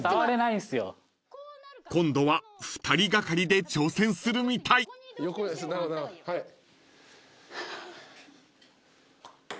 ［今度は２人がかりで挑戦するみたい］